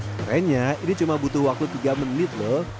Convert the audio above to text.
kerennya ini cuma butuh waktu tiga menit loh